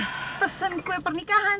maksudnya abis pesen kue pernikahan